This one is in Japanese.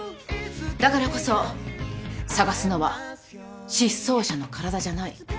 だからこそ捜すのは失踪者の体じゃない。